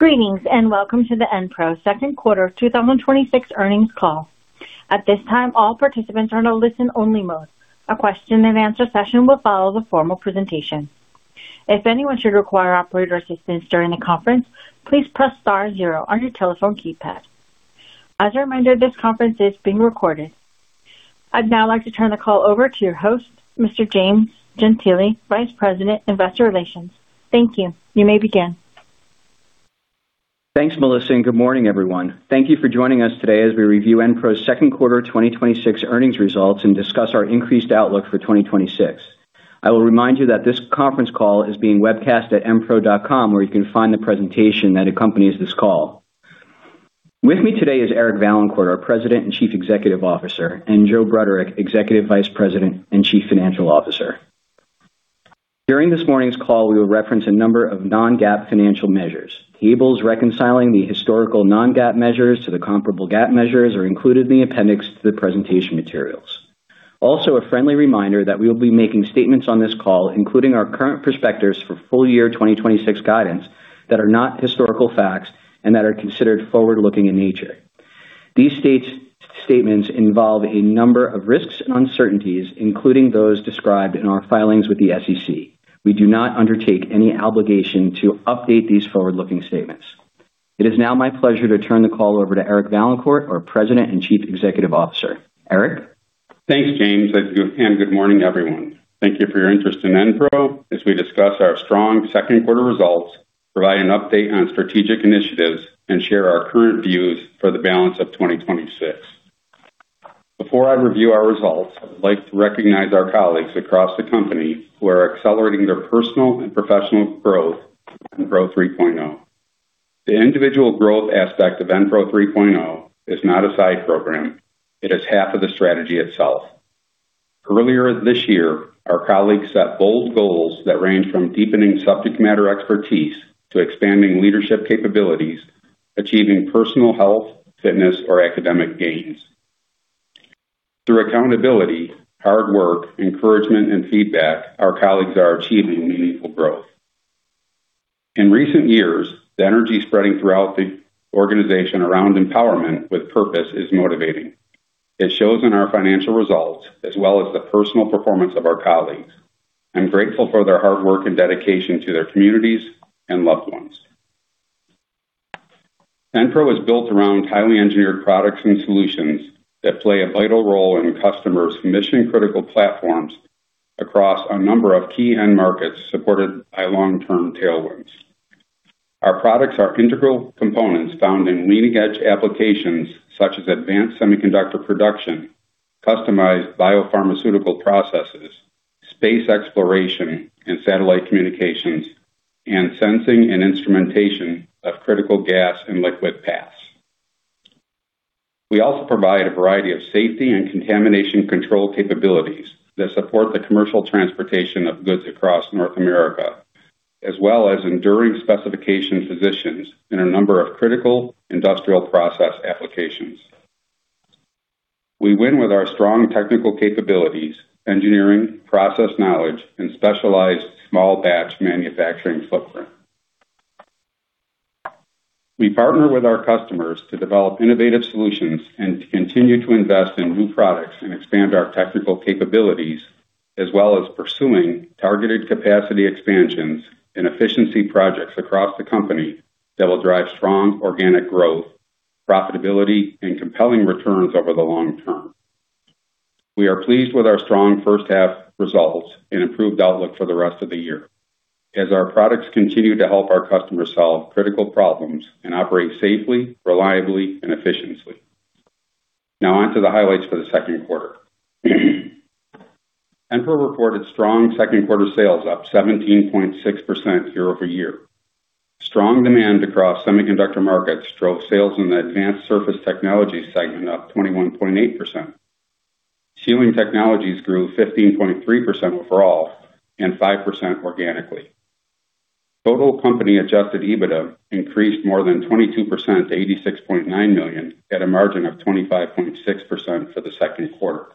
Greetings, welcome to the Enpro second quarter 2026 earnings call. At this time, all participants are in a listen-only mode. A question and answer session will follow the formal presentation. If anyone should require operator assistance during the conference, please press star zero on your telephone keypad. As a reminder, this conference is being recorded. I'd now like to turn the call over to your host, Mr. James Gentile, Vice President, Investor Relations. Thank you. You may begin. Thanks, Melissa, good morning, everyone. Thank you for joining us today as we review Enpro's second quarter 2026 earnings results and discuss our increased outlook for 2026. I will remind you that this conference call is being webcast at enpro.com, where you can find the presentation that accompanies this call. With me today is Eric Vaillancourt, our President and Chief Executive Officer, and Joe Bruderek, Executive Vice President and Chief Financial Officer. During this morning's call, we will reference a number of non-GAAP financial measures. Tables reconciling the historical non-GAAP measures to the comparable GAAP measures are included in the appendix to the presentation materials. A friendly reminder that we will be making statements on this call, including our current perspectives for full year 2026 guidance, that are not historical facts and that are considered forward-looking in nature. These statements involve a number of risks and uncertainties, including those described in our filings with the SEC. We do not undertake any obligation to update these forward-looking statements. It is now my pleasure to turn the call over to Eric Vaillancourt, our President and Chief Executive Officer. Eric? Thanks, James, good morning, everyone. Thank you for your interest in Enpro as we discuss our strong second quarter results, provide an update on strategic initiatives, and share our current views for the balance of 2026. Before I review our results, I would like to recognize our colleagues across the company who are accelerating their personal and professional growth in Enpro 3.0. The individual growth aspect of Enpro 3.0 is not a side program. It is half of the strategy itself. Earlier this year, our colleagues set bold goals that range from deepening subject matter expertise to expanding leadership capabilities, achieving personal health, fitness, or academic gains. Through accountability, hard work, encouragement, and feedback, our colleagues are achieving meaningful growth. In recent years, the energy spreading throughout the organization around empowerment with purpose is motivating. It shows in our financial results as well as the personal performance of our colleagues. I'm grateful for their hard work and dedication to their communities and loved ones. Enpro is built around highly engineered products and solutions that play a vital role in customers' mission-critical platforms across a number of key end markets supported by long-term tailwinds. Our products are integral components found in leading-edge applications such as advanced semiconductor production, customized biopharmaceutical processes, space exploration, and satellite communications, and sensing and instrumentation of critical gas and liquid paths. We also provide a variety of safety and contamination control capabilities that support the commercial transportation of goods across North America, as well as enduring specification positions in a number of critical industrial process applications. We win with our strong technical capabilities, engineering, process knowledge, and specialized small batch manufacturing footprint. We partner with our customers to develop innovative solutions and continue to invest in new products and expand our technical capabilities, as well as pursuing targeted capacity expansions and efficiency projects across the company that will drive strong organic growth, profitability, and compelling returns over the long term. We are pleased with our strong first half results and improved outlook for the rest of the year as our products continue to help our customers solve critical problems and operate safely, reliably, and efficiently. Now onto the highlights for the second quarter. Enpro reported strong second quarter sales up 17.6% year-over-year. Strong demand across semiconductor markets drove sales in the Advanced Surface Technologies segment up 21.8%. Sealing Technologies grew 15.3% overall and 5% organically. Total company adjusted EBITDA increased more than 22% to $86.9 million at a margin of 25.6% for the second quarter.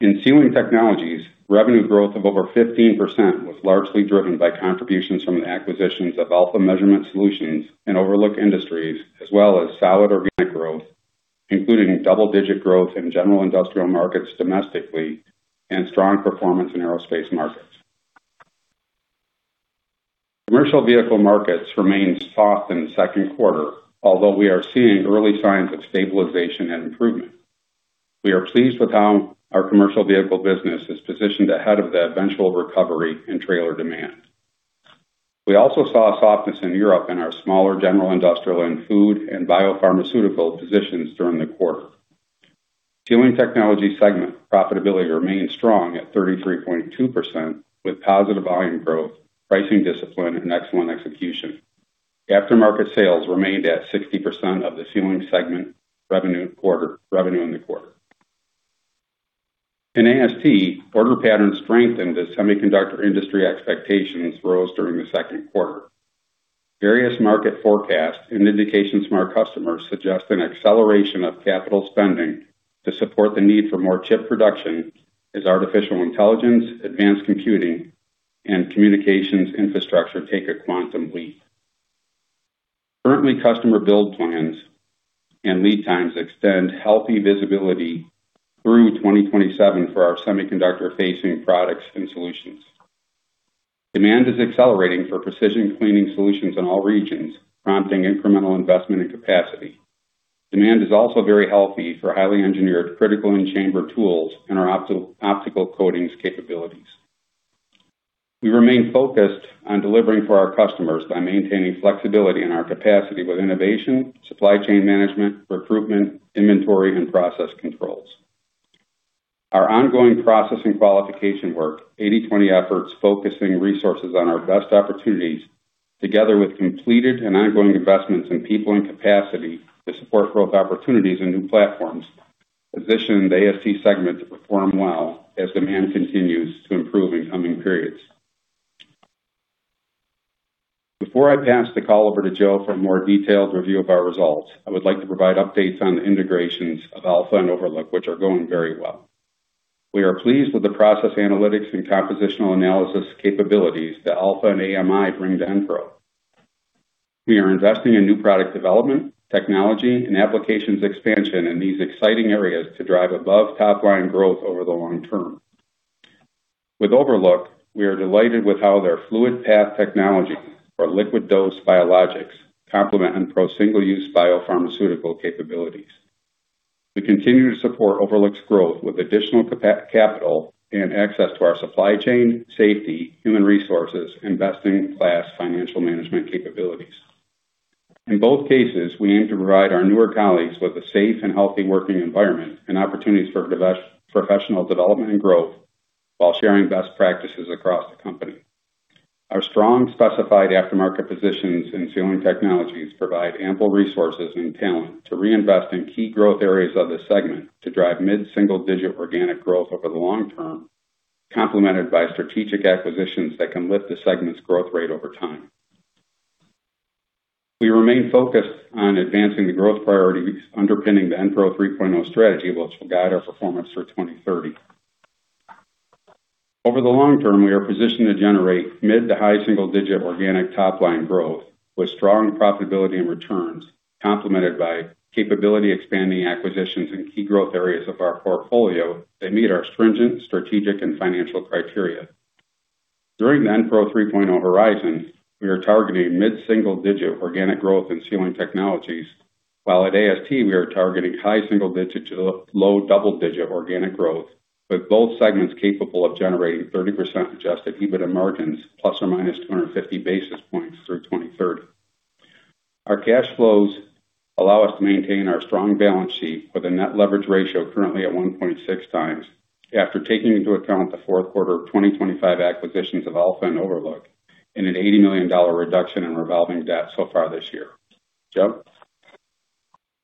In Sealing Technologies, revenue growth of over 15% was largely driven by contributions from the acquisitions of AlpHa Measurement Solutions and Overlook Industries, as well as solid organic growth, including double-digit growth in general industrial markets domestically and strong performance in aerospace markets. Commercial vehicle markets remained soft in the second quarter, although we are seeing early signs of stabilization and improvement. We are pleased with how our commercial vehicle business is positioned ahead of the eventual recovery in trailer demand. We also saw softness in Europe in our smaller general industrial and food and biopharmaceutical positions during the quarter. Sealing Technologies segment profitability remained strong at 33.2% with positive volume growth, pricing discipline, and excellent execution. Aftermarket sales remained at 60% of the Sealing Technologies segment revenue in the quarter. In AST, order patterns strengthened as semiconductor industry expectations rose during the second quarter. Various market forecasts and indications from our customers suggest an acceleration of capital spending to support the need for more chip production as artificial intelligence, advanced computing, and communications infrastructure take a quantum leap. Currently, customer build plans and lead times extend healthy visibility through 2027 for our semiconductor-facing products and solutions. Demand is accelerating for precision cleaning solutions in all regions, prompting incremental investment in capacity. Demand is also very healthy for highly engineered critical in-chamber tools and our optical coatings capabilities. We remain focused on delivering for our customers by maintaining flexibility in our capacity with innovation, supply chain management, recruitment, inventory, and process controls. Our ongoing process and qualification work, 80/20 efforts focusing resources on our best opportunities, together with completed and ongoing investments in people and capacity to support growth opportunities and new platforms, positioned the AST segment to perform well as demand continues to improve in coming periods. Before I pass the call over to Joe for a more detailed review of our results, I would like to provide updates on the integrations of AlpHa and Overlook, which are going very well. We are pleased with the process analytics and compositional analysis capabilities that AlpHa and AMI bring to Enpro. We are investing in new product development, technology, and applications expansion in these exciting areas to drive above top-line growth over the long term. With Overlook, we are delighted with how their fluid path technology for liquid dose biologics complement Enpro single-use biopharmaceutical capabilities. We continue to support Overlook's growth with additional capital and access to our supply chain, safety, human resources, investing class financial management capabilities. In both cases, we aim to provide our newer colleagues with a safe and healthy working environment and opportunities for professional development and growth while sharing best practices across the company. Our strong specified aftermarket positions in Sealing Technologies provide ample resources and talent to reinvest in key growth areas of this segment to drive mid-single-digit organic growth over the long term, complemented by strategic acquisitions that can lift the segment's growth rate over time. We remain focused on advancing the growth priorities underpinning the Enpro 3.0 strategy, which will guide our performance through 2030. Over the long term, we are positioned to generate mid to high single-digit organic top-line growth with strong profitability and returns, complemented by capability-expanding acquisitions in key growth areas of our portfolio that meet our stringent strategic and financial criteria. During the Enpro 3.0 horizon, we are targeting mid-single-digit organic growth in Sealing Technologies, while at AST, we are targeting high single-digit to low double-digit organic growth, with both segments capable of generating 30% adjusted EBITDA margins, ±250 basis points through 2030. Our cash flows allow us to maintain our strong balance sheet with a net leverage ratio currently at 1.6 times after taking into account the fourth quarter of 2025 acquisitions of AlpHa and Overlook and an $80 million reduction in revolving debt so far this year. Joe?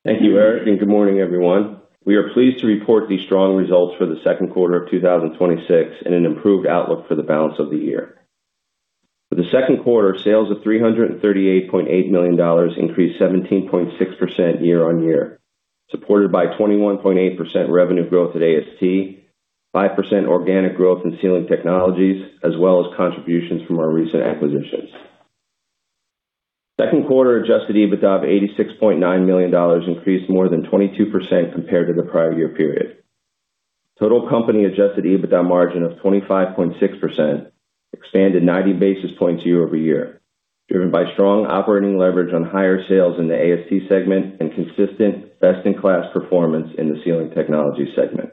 Thank you, Eric, and good morning, everyone. We are pleased to report these strong results for the second quarter of 2026 and an improved outlook for the balance of the year. For the second quarter, sales of $338.8 million increased 17.6% year-over-year, supported by 21.8% revenue growth at AST, 5% organic growth in Sealing Technologies, as well as contributions from our recent acquisitions. Second quarter adjusted EBITDA of $86.9 million increased more than 22% compared to the prior year period. Total company adjusted EBITDA margin of 25.6% expanded 90 basis points year-over-year, driven by strong operating leverage on higher sales in the AST segment and consistent best-in-class performance in the Sealing Technologies segment.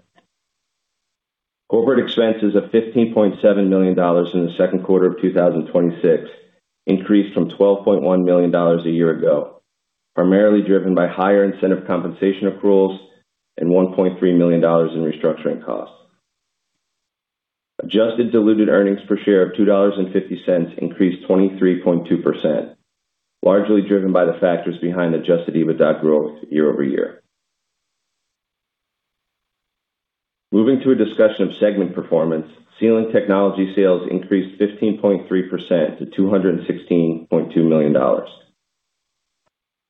Corporate expenses of $15.7 million in the second quarter of 2026 increased from $12.1 million a year ago, primarily driven by higher incentive compensation accruals and $1.3 million in restructuring costs. Adjusted diluted earnings per share of $2.50 increased 23.2%, largely driven by the factors behind adjusted EBITDA growth year-over-year. Moving to a discussion of segment performance, Sealing Technologies sales increased 15.3% to $216.2 million.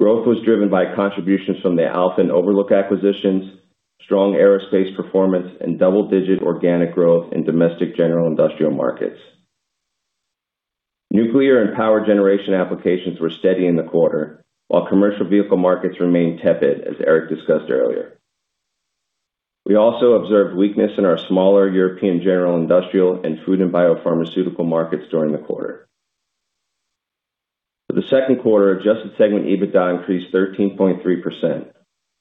Growth was driven by contributions from the AlpHa and Overlook acquisitions, strong aerospace performance, and double-digit organic growth in domestic general industrial markets. Nuclear and power generation applications were steady in the quarter, while commercial vehicle markets remained tepid, as Eric discussed earlier. We also observed weakness in our smaller European general industrial and food and biopharmaceutical markets during the quarter. For the second quarter, adjusted segment EBITDA increased 13.3%,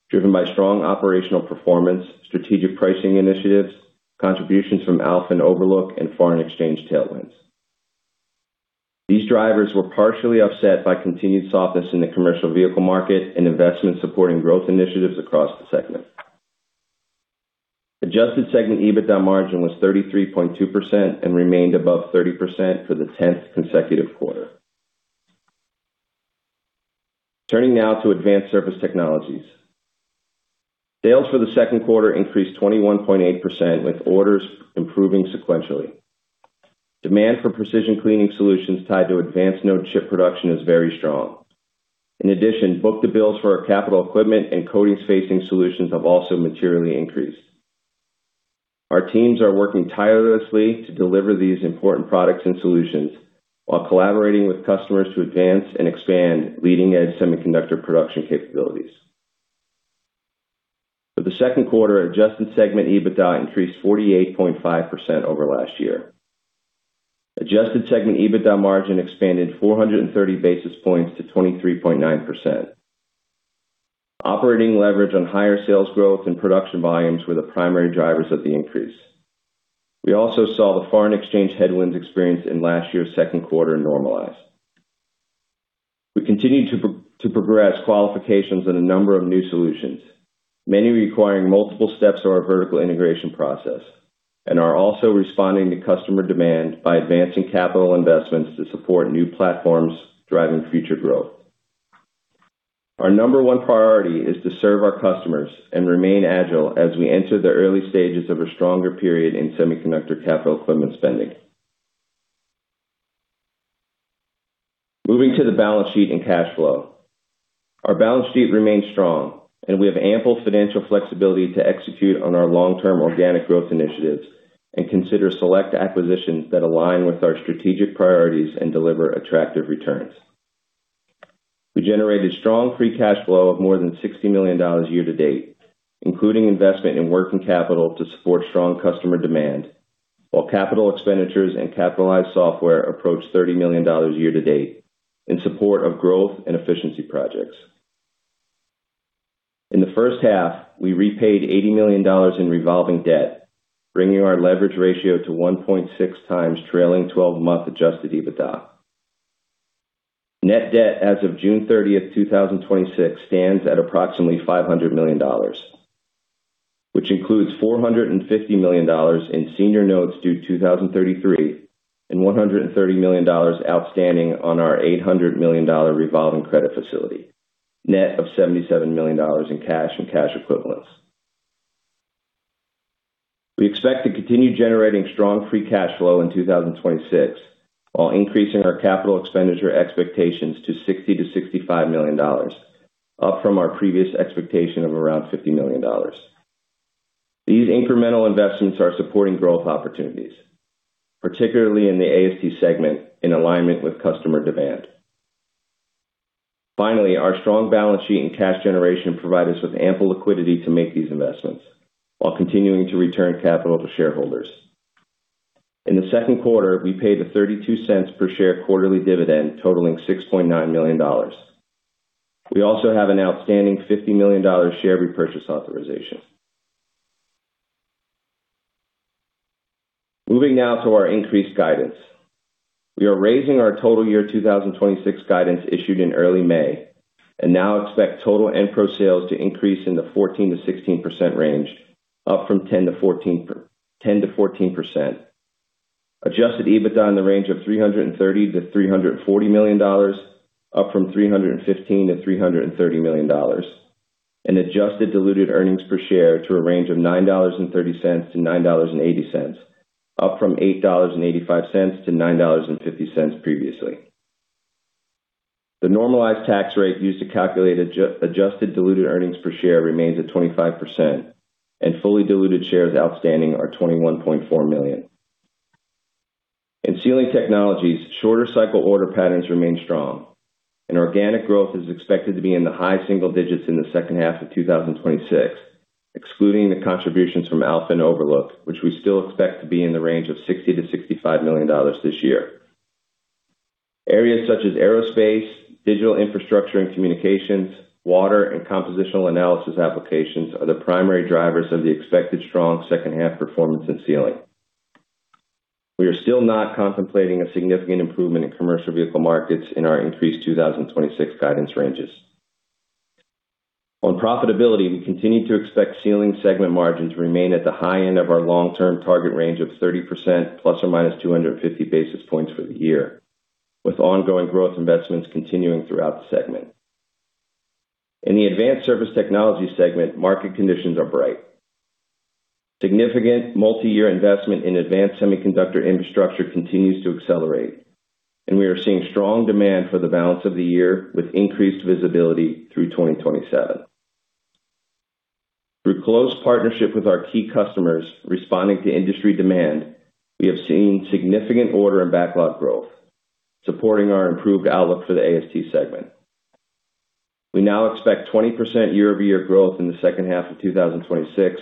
driven by strong operational performance, strategic pricing initiatives, contributions from AlpHa and Overlook, and foreign exchange tailwinds. These drivers were partially offset by continued softness in the commercial vehicle market and investment supporting growth initiatives across the segment. Adjusted segment EBITDA margin was 33.2% and remained above 30% for the 10th consecutive quarter. Turning now to Advanced Surface Technologies. Sales for the second quarter increased 21.8%, with orders improving sequentially. Demand for precision cleaning solutions tied to advanced node chip production is very strong. book-to-bills for our capital equipment and coatings facing solutions have also materially increased. Our teams are working tirelessly to deliver these important products and solutions while collaborating with customers to advance and expand leading-edge semiconductor production capabilities. For the second quarter, adjusted segment EBITDA increased 48.5% over last year. Adjusted segment EBITDA margin expanded 430 basis points to 23.9%. Operating leverage on higher sales growth and production volumes were the primary drivers of the increase. We also saw the foreign exchange headwinds experienced in last year's second quarter normalize. We continue to progress qualifications in a number of new solutions, many requiring multiple steps of our vertical integration process, and are also responding to customer demand by advancing capital investments to support new platforms driving future growth. Our number one priority is to serve our customers and remain agile as we enter the early stages of a stronger period in semiconductor capital equipment spending. Moving to the balance sheet and cash flow. Our balance sheet remains strong, and we have ample financial flexibility to execute on our long-term organic growth initiatives and consider select acquisitions that align with our strategic priorities and deliver attractive returns. We generated strong free cash flow of more than $60 million year-to-date, including investment in working capital to support strong customer demand, while capital expenditures and capitalized software approached $30 million year-to-date in support of growth and efficiency projects. In the first half, we repaid $80 million in revolving debt, bringing our leverage ratio to 1.6 times trailing 12-month adjusted EBITDA. Net debt as of June 30th, 2026, stands at approximately $500 million, which includes $450 million in senior notes due 2033 and $130 million outstanding on our $800 million revolving credit facility, net of $77 million in cash and cash equivalents. We expect to continue generating strong free cash flow in 2026 while increasing our capital expenditure expectations to $60 million-$65 million, up from our previous expectation of around $50 million. These incremental investments are supporting growth opportunities, particularly in the AST segment in alignment with customer demand. Our strong balance sheet and cash generation provide us with ample liquidity to make these investments while continuing to return capital to shareholders. In the second quarter, we paid a $0.32 per share quarterly dividend totaling $6.9 million. We also have an outstanding $50 million share repurchase authorization. Moving now to our increased guidance. We are raising our total year 2026 guidance issued in early May and now expect total Enpro sales to increase in the 14%-16% range, up from 10%-14%. Adjusted EBITDA in the range of $330 million-$340 million, up from $315 million-$330 million, and adjusted diluted earnings per share to a range of $9.30-$9.80, up from $8.85-$9.50 previously. The normalized tax rate used to calculate adjusted diluted earnings per share remains at 25%, and fully diluted shares outstanding are $21.4 million. In Sealing Technologies, shorter cycle order patterns remain strong, and organic growth is expected to be in the high single digits in the second half of 2026, excluding the contributions from AlpHa and Overlook, which we still expect to be in the range of $60 million-$65 million this year. Areas such as aerospace, digital infrastructure and communications, water, and compositional analysis applications are the primary drivers of the expected strong second half performance in Sealing. We are still not contemplating a significant improvement in commercial vehicle markets in our increased 2026 guidance ranges. On profitability, we continue to expect Sealing segment margin to remain at the high end of our long-term target range of 30% ± 250 basis points for the year, with ongoing growth investments continuing throughout the segment. In the Advanced Surface Technologies segment, market conditions are bright. Significant multi-year investment in advanced semiconductor infrastructure continues to accelerate. We are seeing strong demand for the balance of the year with increased visibility through 2027. Through close partnership with our key customers responding to industry demand, we have seen significant order and backlog growth, supporting our improved outlook for the AST segment. We now expect 20% year-over-year growth in the second half of 2026,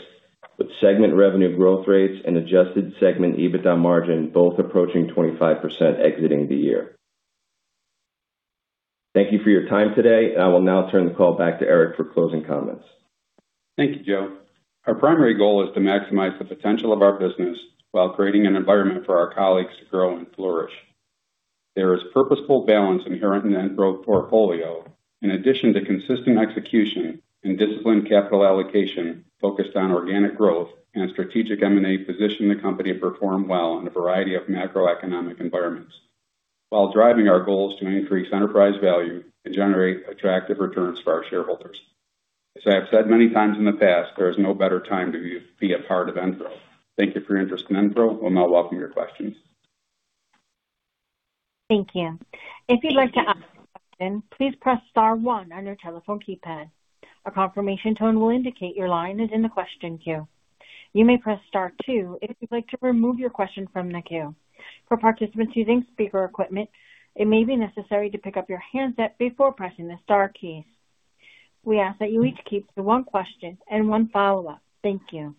with segment revenue growth rates and adjusted segment EBITDA margin both approaching 25% exiting the year. Thank you for your time today. I will now turn the call back to Eric for closing comments. Thank you, Joe. Our primary goal is to maximize the potential of our business while creating an environment for our colleagues to grow and flourish. There is purposeful balance inherent in the Enpro portfolio. In addition to consistent execution and disciplined capital allocation focused on organic growth and strategic M&A position, the company performed well in a variety of macroeconomic environments while driving our goals to increase enterprise value and generate attractive returns for our shareholders. As I have said many times in the past, there is no better time to be a part of Enpro. Thank you for your interest in Enpro. We'll now welcome your questions. Thank you. If you'd like to ask a question, please press star one on your telephone keypad. A confirmation tone will indicate your line is in the question queue. You may press star two if you'd like to remove your question from the queue. For participants using speaker equipment, it may be necessary to pick up your handset before pressing the star key. We ask that you each keep to one question and one follow-up. Thank you.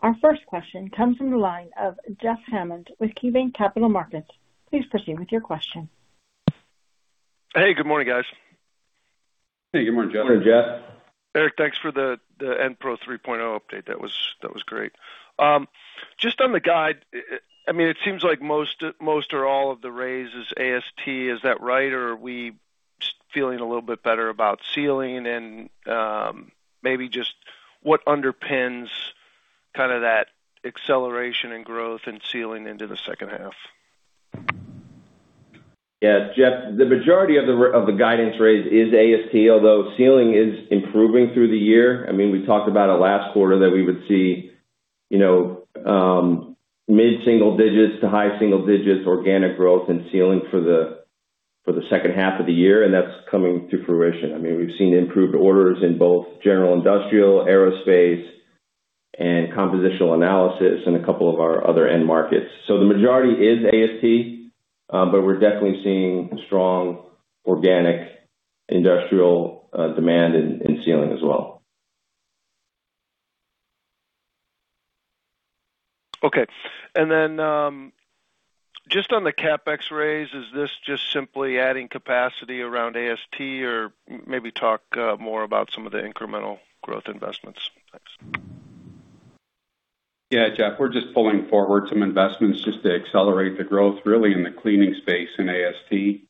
Our first question comes from the line of Jeff Hammond with KeyBanc Capital Markets. Please proceed with your question. Hey, good morning, guys. Hey, good morning, Jeff. Good morning, Jeff. Eric, thanks for the Enpro 3.0 update. That was great. Just on the guide, it seems like most or all of the raise is AST. Is that right? Are we feeling a little bit better about sealing and maybe just what underpins kind of that acceleration and growth and sealing into the second half? Yeah. Jeff, the majority of the guidance raise is AST, although sealing is improving through the year. We talked about it last quarter that we would see mid-single digits to high single digits organic growth and sealing for the second half of the year. That's coming to fruition. We've seen improved orders in both general industrial, aerospace, and compositional analysis in a couple of our other end markets. The majority is AST, but we're definitely seeing strong organic industrial demand in sealing as well. Okay. Just on the CapEx raise, is this just simply adding capacity around AST? Maybe talk more about some of the incremental growth investments. Thanks. Yeah, Jeff, we're just pulling forward some investments just to accelerate the growth really in the cleaning space in AST.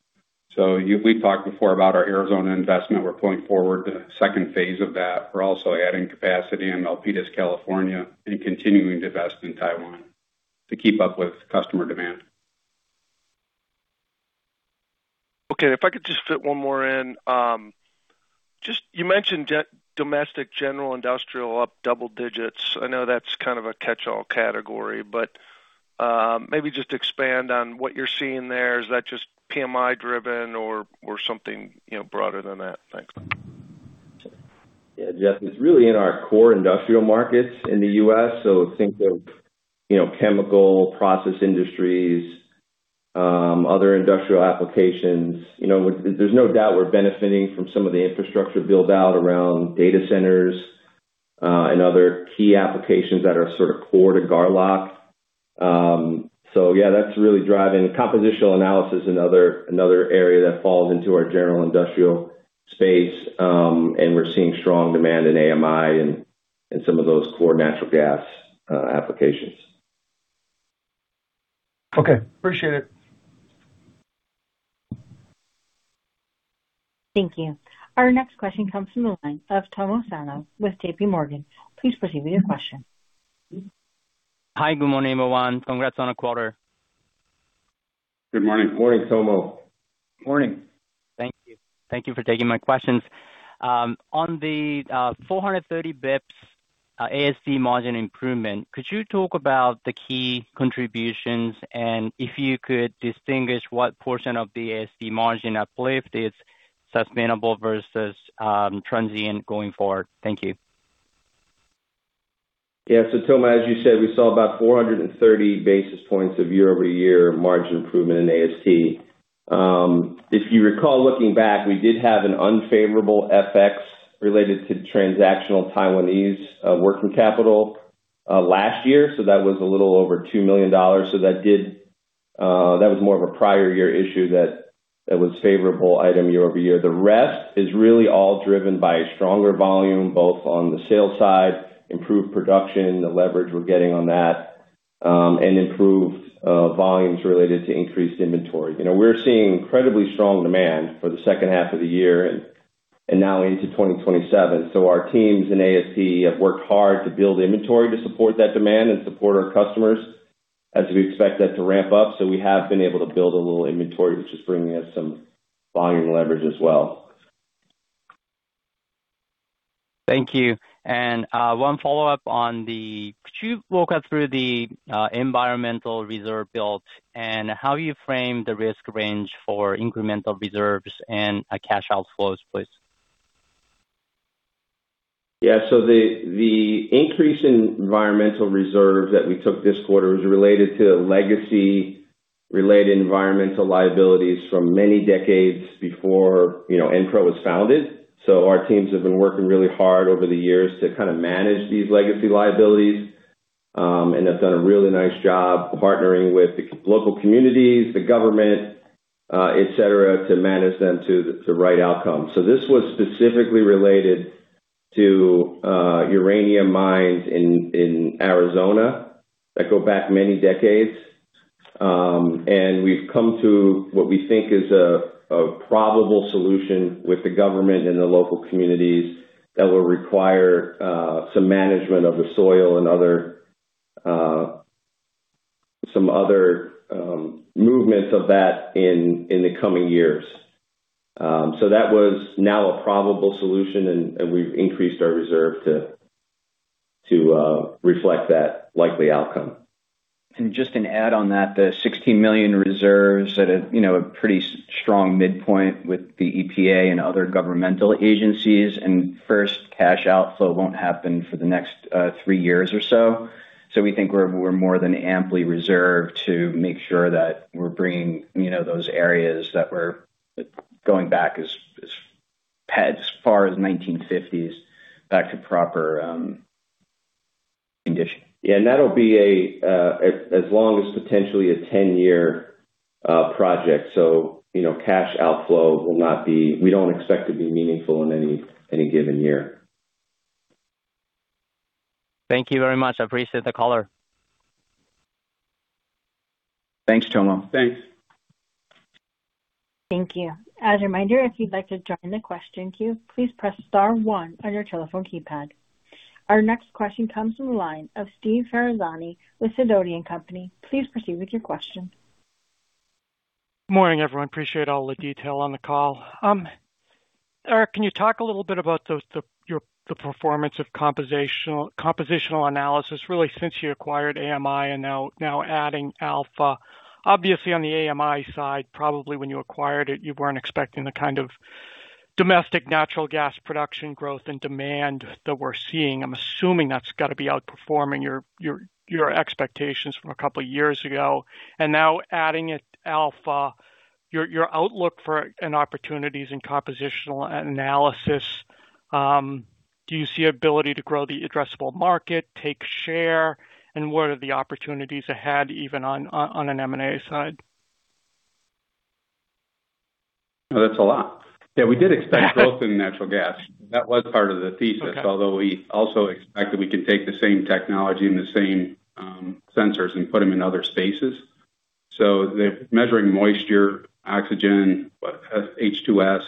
We've talked before about our Arizona investment. We're pulling forward the second phase of that. We're also adding capacity in Milpitas, California, and continuing to invest in Taiwan to keep up with customer demand. Okay, if I could just fit one more in. You mentioned domestic general industrial up double digits. I know that's kind of a catch-all category, maybe just expand on what you're seeing there. Is that just PMI driven or something broader than that? Thanks. Yeah. Jeff, it's really in our core industrial markets in the U.S., think of chemical process industries, other industrial applications. There's no doubt we're benefiting from some of the infrastructure build-out around data centers, and other key applications that are sort of core to Garlock. Yeah, that's really driving compositional analysis, another area that falls into our general industrial space. We're seeing strong demand in AMI and in some of those core natural gas applications. Okay. Appreciate it. Thank you. Our next question comes from the line of Tomo Sano with JPMorgan. Please proceed with your question. Hi. Good morning, everyone. Congrats on the quarter. Good morning. Morning, Tomo. Morning. Thank you. Thank you for taking my questions. On the 430 basis points AST margin improvement, could you talk about the key contributions and if you could distinguish what portion of the AST margin uplift is sustainable versus transient going forward? Thank you. Yeah. Tomo, as you said, we saw about 430 basis points of year-over-year margin improvement in Advanced Surface Technologies. If you recall, looking back, we did have an unfavorable FX related to transactional Taiwanese working capital last year. That was a little over $2 million. That was more of a prior year issue that was favorable item year-over-year. The rest is really all driven by stronger volume, both on the sales side, improved production, the leverage we're getting on that, and improved volumes related to increased inventory. We're seeing incredibly strong demand for the second half of the year and now into 2027. Our teams in Advanced Surface Technologies have worked hard to build inventory to support that demand and support our customers as we expect that to ramp up. We have been able to build a little inventory, which is bringing us some volume leverage as well. Thank you. One follow-up on the, could you walk us through the environmental reserve build and how you frame the risk range for incremental reserves and cash outflows, please? Yeah. The increase in environmental reserves that we took this quarter is related to legacy related environmental liabilities from many decades before Enpro was founded. Our teams have been working really hard over the years to kind of manage these legacy liabilities, and have done a really nice job partnering with the local communities, the government, et cetera, to manage them to the right outcome. This was specifically related to uranium mines in Arizona that go back many decades. We've come to what we think is a probable solution with the government and the local communities that will require some management of the soil and other. Some other movements of that in the coming years. That was now a probable solution, and we've increased our reserve to reflect that likely outcome. Just to add on that, the $16 million reserves at a pretty strong midpoint with the EPA and other governmental agencies, first cash outflow won't happen for the next three years or so. We think we're more than amply reserved to make sure that we're bringing those areas that we're going back as far as 1950s back to proper condition. Yeah. That'll be as long as potentially a 10-year project. Cash outflow we don't expect to be meaningful in any given year. Thank you very much. I appreciate the call. Thanks, Tomo. Thanks. Thank you. As a reminder, if you'd like to join the question queue, please press star one on your telephone keypad. Our next question comes from the line of Steve Ferazani with Sidoti & Company. Please proceed with your question. Morning, everyone. Appreciate all the detail on the call. Eric, can you talk a little bit about the performance of compositional analysis, really since you acquired AMI and now adding AlpHa? Obviously, on the AMI side, probably when you acquired it, you weren't expecting the kind of domestic natural gas production growth and demand that we're seeing. I'm assuming that's got to be outperforming your expectations from a couple of years ago. Now adding at AlpHa, your outlook for opportunities in compositional analysis, do you see ability to grow the addressable market, take share, and what are the opportunities ahead even on an M&A side? That's a lot. Yeah, we did expect growth in natural gas. That was part of the thesis. Okay. We also expect that we can take the same technology and the same sensors and put them in other spaces. They're measuring moisture, oxygen, H2S.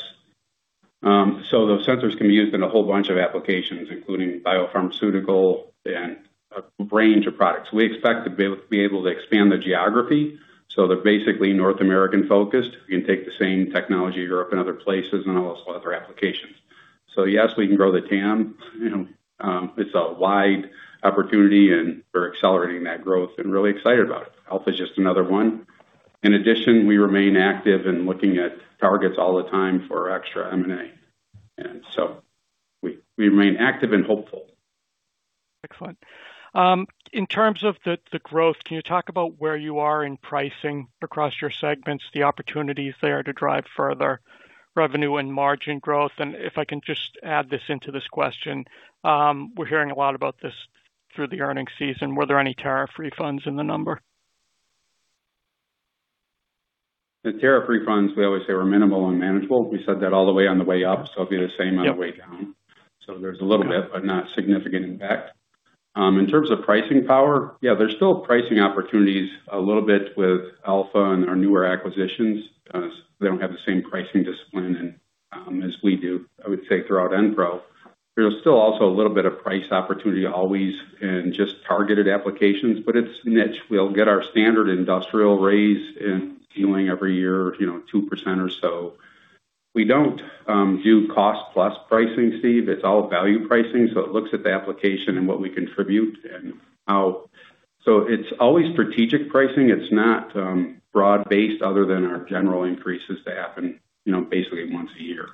Those sensors can be used in a whole bunch of applications, including biopharmaceutical and a range of products. We expect to be able to expand the geography. They're basically North American-focused. We can take the same technology to Europe and other places and also other applications. Yes, we can grow the TAM. It's a wide opportunity, and we're accelerating that growth and really excited about it. AlpHa's just another one. In addition, we remain active in looking at targets all the time for extra M&A. We remain active and hopeful. Excellent. In terms of the growth, can you talk about where you are in pricing across your segments, the opportunities there to drive further revenue and margin growth? If I can just add this into this question, we're hearing a lot about this through the earnings season. Were there any tariff refunds in the number? The tariff refunds, we always say, were minimal and manageable. We said that all the way on the way up, so it'll be the same on the way down. Yep. There's a little bit, but not significant impact. In terms of pricing power, yeah, there's still pricing opportunities a little bit with AlpHa and our newer acquisitions. They don't have the same pricing discipline as we do, I would say, throughout Enpro. There's still also a little bit of price opportunity always in just targeted applications, but it's niche. We'll get our standard industrial raise in ceiling every year, 2% or so. We don't do cost-plus pricing, Steve. It's all value pricing. It looks at the application and what we contribute and how. It's always strategic pricing. It's not broad-based other than our general increases that happen basically once a year.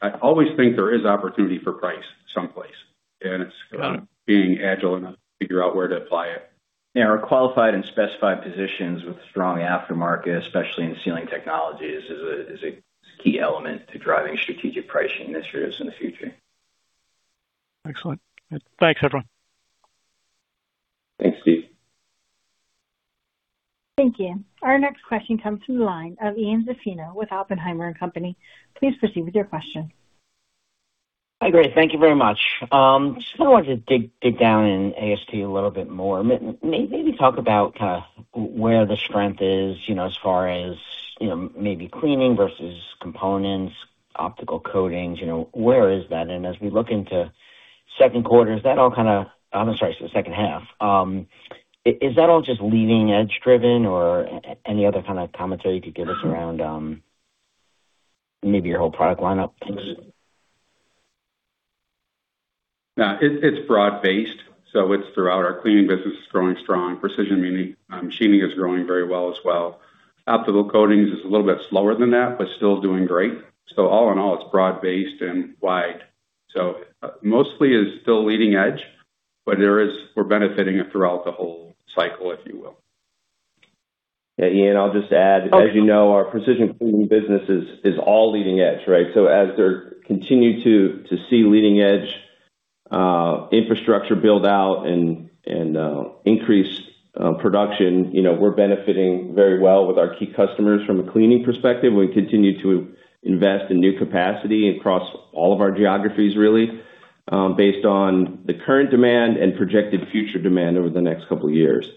I always think there is opportunity for price someplace. Got it. It's being agile enough to figure out where to apply it. Yeah, our qualified and specified positions with a strong aftermarket, especially in Sealing Technologies, is a key element to driving strategic pricing initiatives in the future. Excellent. Thanks, everyone. Thanks, Steve. Thank you. Our next question comes from the line of Ian Zaffino with Oppenheimer & Company. Please proceed with your question. Hi, great. Thank you very much. I just kind of wanted to dig down in AST a little bit more. Maybe talk about where the strength is as far as maybe cleaning versus components, optical coatings. Where is that? As we look into second quarter, is that all kind of I'm sorry, so the second half. Is that all just leading edge driven or any other kind of commentary you could give us around maybe your whole product lineup? Thanks. No, it's broad-based. It's throughout our cleaning business is growing strong. Precision machining is growing very well as well. Optical coatings is a little bit slower than that, but still doing great. All in all, it's broad-based and wide. Mostly is still leading edge, but we're benefiting it throughout the whole cycle, if you will. Ian, I'll just add. As you know, our precision cleaning business is all leading edge, right? As they continue to see leading edge infrastructure build out and increased production, we're benefiting very well with our key customers from a cleaning perspective. We continue to invest in new capacity across all of our geographies, really, based on the current demand and projected future demand over the next couple of years.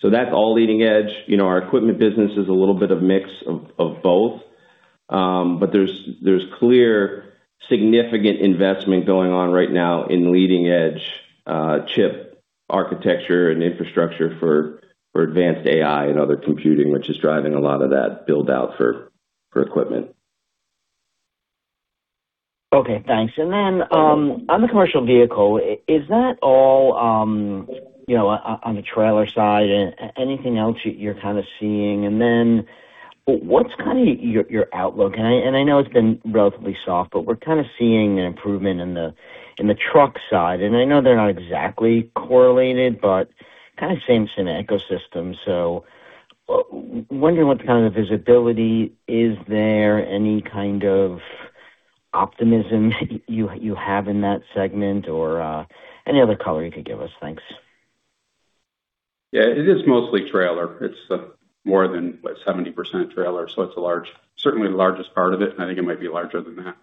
That's all leading edge. Our equipment business is a little bit of mix of both. There's clear significant investment going on right now in leading-edge chip architecture and infrastructure for advanced AI and other computing, which is driving a lot of that build-out for equipment. Okay, thanks. On the commercial vehicle, is that all on the trailer side? Anything else you're kind of seeing? What's kind of your outlook? I know it's been relatively soft, but we're kind of seeing an improvement in the truck side, and I know they're not exactly correlated, but kind of same ecosystem. Wondering what the kind of visibility is there, any kind of optimism you have in that segment or any other color you could give us. Thanks. Yeah, it is mostly trailer. It's more than, what, 70% trailer. It's certainly the largest part of it, and I think it might be larger than that.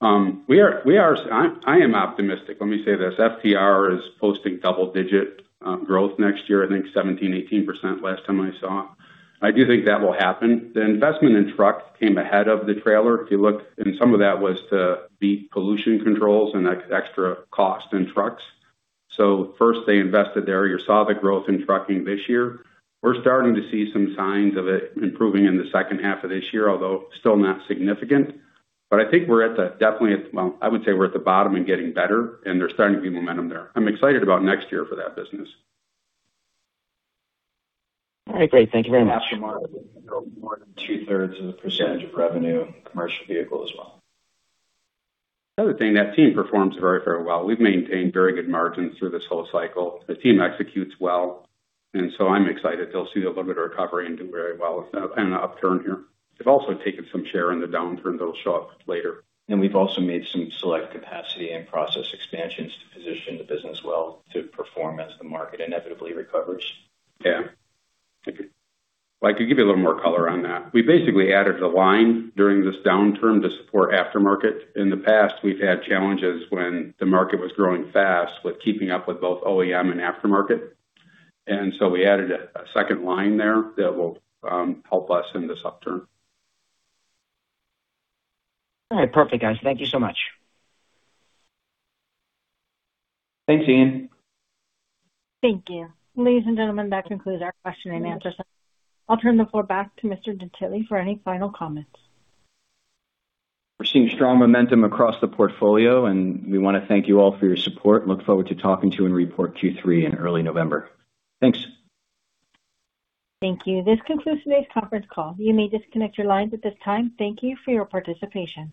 I am optimistic. Let me say this, FTR is posting double-digit growth next year, I think 17%-18% last time I saw. I do think that will happen. The investment in truck came ahead of the trailer, if you look, and some of that was to beat pollution controls and extra cost in trucks. First they invested there. You saw the growth in trucking this year. We're starting to see some signs of it improving in the second half of this year, although still not significant. I think we're at the definitely, well, I would say we're at the bottom and getting better, and there's starting to be momentum there. I'm excited about next year for that business. All right, great. Thank you very much. Aftermarket will be more than two-thirds of the percentage of revenue commercial vehicle as well. The other thing, that team performs very well. We've maintained very good margins through this whole cycle. The team executes well, I'm excited. They'll see a little bit of recovery and do very well with kind of an upturn here. They've also taken some share in the downturn that'll show up later. We've also made some select capacity and process expansions to position the business well to perform as the market inevitably recovers. Yeah. Well, I could give you a little more color on that. We basically added a line during this downturn to support aftermarket. In the past, we've had challenges when the market was growing fast with keeping up with both OEM and aftermarket, and so we added a second line there that will help us in this upturn. All right, perfect, guys. Thank you so much. Thanks, Ian. Thank you. Ladies and gentlemen, that concludes our question and answer session. I'll turn the floor back to Mr. Gentile for any final comments. We're seeing strong momentum across the portfolio. We want to thank you all for your support and look forward to talking to you in report Q3 in early November. Thanks. Thank you. This concludes today's conference call. You may disconnect your lines at this time. Thank you for your participation.